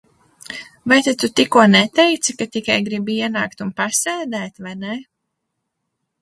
Vai tad tu tikko neteici, ka tikai gribi ienākt un pasēdēt, vai ne?